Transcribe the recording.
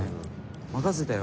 任せたよ。